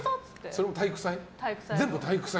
それも体育祭？